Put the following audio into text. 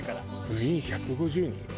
部員１５０人よ？